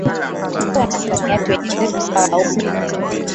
kuwa na msamiati wenye uzito sawa ugha